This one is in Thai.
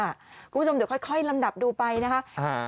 คุณผู้ชมเดี๋ยวค่อยลำดับดูไปนะคะ